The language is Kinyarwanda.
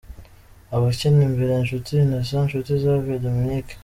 Abakina imbere: Nshuti Innocent, Nshuti Savio Dominique.